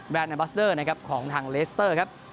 แบรนด์อัลบัสเดอร์ของทางเลสเตอร์